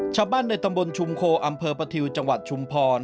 ชาวบ้านในตำบลชุมโคอำเภอประทิวจังหวัดชุมพร